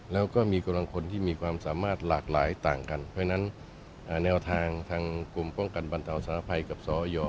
แล้วก็มีกำลังคนที่มีความสามารถหลากหลายต่างกันเพราะฉะนั้นแนวทางทางกลุ่มป้องกันบรรเทาสารภัยกับสอย